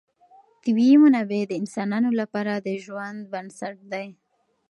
طبیعي منابع د انسانانو لپاره د ژوند بنسټ دی.